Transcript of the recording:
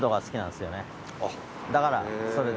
だからそれで。